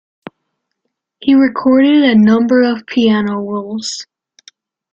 He recorded a number of piano rolls.